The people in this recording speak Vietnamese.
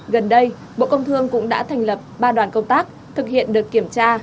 gần đây bộ công thương cũng đã thành lập ba đoàn công tác thực hiện đợt kiểm tra